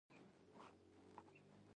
ښايي دا امکان به هم و